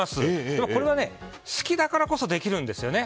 でも、これは好きだからこそできるんですよね。